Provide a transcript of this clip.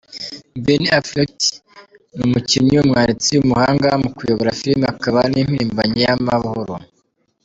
Ben Affleck ni umukinnyi, umwanditsi , umuhanga mu kuyobora filime, akaba n’impirimbanyi y’amahoro.